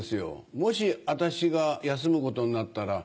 もし私が休むことになったら。